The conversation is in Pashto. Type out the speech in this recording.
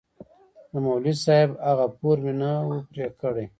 د مولوي صاحب هغه پور مې نه و پرې کړى.